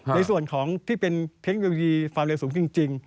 ในส่วนของที่เป็นเทคโนโลยีความเร็วสูงจริง